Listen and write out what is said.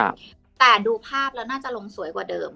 แต่ดูภาพแล้วน่าจะลงสวยกว่าเดิม